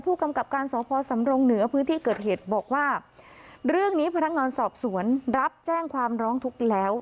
ผู้กำกับการสพสำรงเหนือพื้นที่เกิดเหตุบอกว่าเรื่องนี้พนักงานสอบสวนรับแจ้งความร้องทุกข์แล้ว